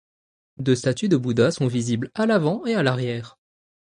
Deux statues de Bouddha sont visibles à l'avant et à l'arrière.